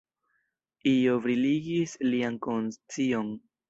Io briligis lian konscion.